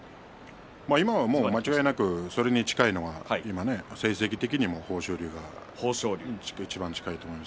今は、間違いなくそれに近いのは成績的にも豊昇龍がいちばん近いと思います。